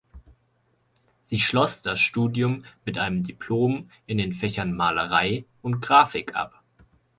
Sie schloss das Studium mit einem Diplom in den Fächern Malerei und Grafik ab.